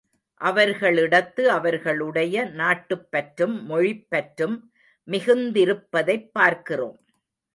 அவர்களிடத்து அவர்களுடைய நாட்டுப்பற்றும் மொழிப்பற்றும் மிகுந்திருப்பதைப் பார்க்கிறோம்.